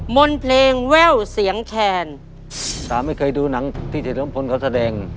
มนต์เพลงแว่วเสียงแคนตาไม่เคยดูหนังที่เดี๋ยวน้องพลเขาแสดง